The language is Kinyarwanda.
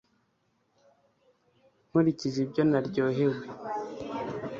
Nkurikije ibyo naryohewe